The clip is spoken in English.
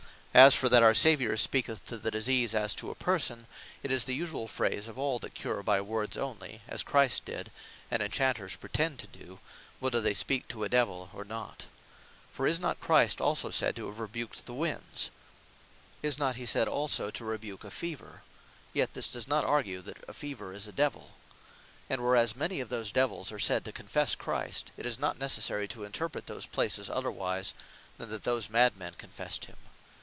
As for that our Saviour speaketh to the disease, as to a person; it is the usuall phrase of all that cure by words onely, as Christ did, (and Inchanters pretend to do, whether they speak to a Divel or not.) For is not Christ also said (Math. 8.26.) to have rebuked the winds? Is not he said also (Luk. 4. 39.) to rebuke a Fever? Yet this does not argue that a Fever is a Divel. And whereas many of these Divels are said to confesse Christ; it is not necessary to interpret those places otherwise, than that those mad men confessed him.